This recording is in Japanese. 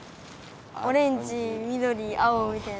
オレンジみどり青みたいな。